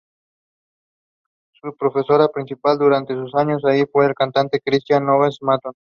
Su profesora principal durante sus años allí fue la cantante Christina Öqvist-Matton.